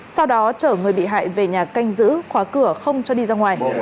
sau đó chở người bị hại về nhà canh giữ khóa cửa không cho đi ra ngoài